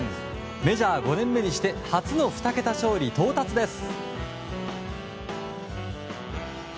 メジャー５年目にして初の２桁勝利到達です。